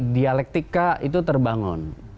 dialektika itu terbangun